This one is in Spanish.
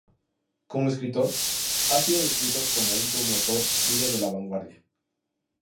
Como escritor, ha sido descrito como un promotor líder de la vanguardia.